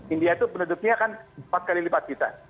india itu penduduknya kan empat kali lipat kita